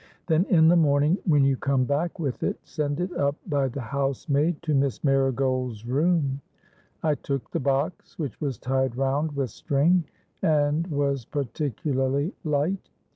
Then, in the morning, when you come back with it, send it up by the housemaid to Miss Marigold's room.'—I took the box, which was tied round with string, and was particularly light.